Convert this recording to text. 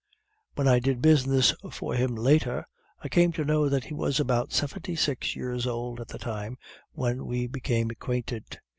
When I did business for him later, I came to know that he was about seventy six years old at the time when we became acquainted.